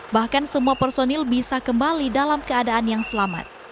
bahkan semua personil bisa kembali dalam keadaan yang selamat